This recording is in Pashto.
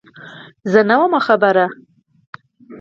_زه نه وم خبر.